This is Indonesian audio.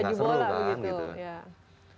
iya nggak seru banget